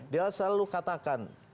dia selalu katakan